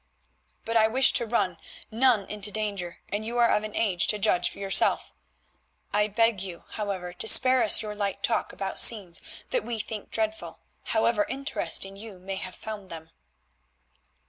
"But I wish to run none into danger, and you are of an age to judge for yourself. I beg you, however, to spare us your light talk about scenes that we think dreadful, however interesting you may have found them."